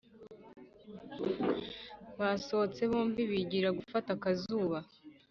basohotse bombi bigira gufata akazuba